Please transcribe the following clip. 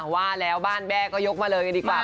ว่าแล้วบ้านแม่ก็ยกมาเลยดีกว่า